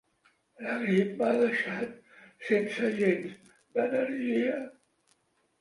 La grip m'ha deixat sense gens d'energia.